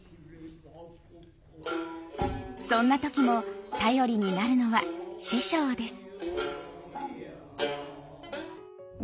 そんな時も頼りになるのは師匠です。